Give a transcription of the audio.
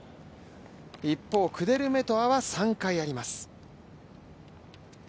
一方、クデルメトワは３回あります。